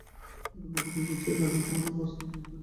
তাদের মধ্যে পুরুষের চেয়ে নারীর সামাজিক অবস্থা উন্নত ছিল।